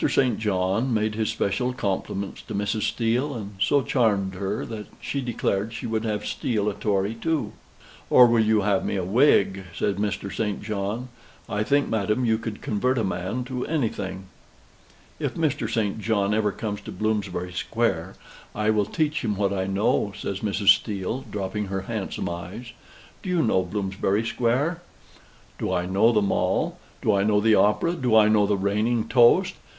St. John made his special compliments to Mrs. Steele, and so charmed her that she declared she would have Steele a Tory too. "Or will you have me a Whig?" says Mr. St. John. "I think, madam, you could convert a man to anything." "If Mr. St. John ever comes to Bloomsbury Square I will teach him what I know," says Mrs. Steele, dropping her handsome eyes. "Do you know Bloomsbury Square?" "Do I know the Mall? Do I know the Opera? Do I know the reigning toast?